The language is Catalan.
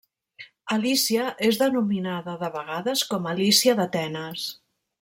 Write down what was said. Alícia és denominada de vegades com a Alícia d'Atenes.